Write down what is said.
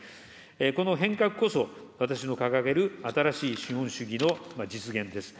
この変革こそ、私の掲げる新しい資本主義の実現です。